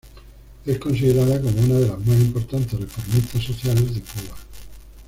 Es considerada como una de las más importantes reformistas sociales de Cuba.